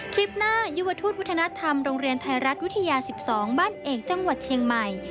คลิปหน้ายุวทูตวัฒนธรรมโรงเรียนไทยรัฐวิทยา๑๒บ้านเอกจังหวัดเชียงใหม่